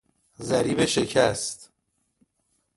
ضریب شکست